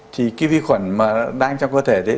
thì cái vi khuẩn mà đang trong cơ thể đấy